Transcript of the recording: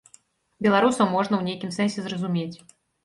Беларусаў можна ў нейкім сэнсе зразумець.